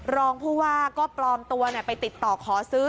รองผู้ว่าก็ปลอมตัวไปติดต่อขอซื้อ